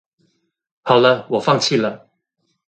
好了我放棄了